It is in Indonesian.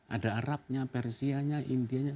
ada arabnya persianya indianya